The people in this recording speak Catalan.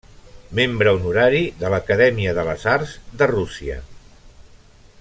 Membre honorari de l'Acadèmia de les Arts de Rússia.